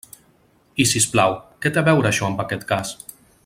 I, si us plau, ¿què té a veure això amb aquest cas?